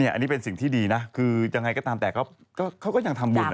อันนี้เป็นสิ่งที่ดีนะคือยังไงก็ตามแต่เขาก็ยังทำบุญ